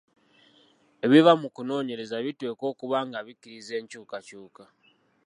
Ebiva mu kunoonyereza biteekwa okuba nga bikkiriza enkyukakyuka.